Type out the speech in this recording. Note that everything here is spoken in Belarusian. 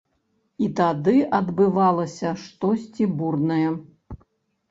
І тады адбывалася штосьці бурнае.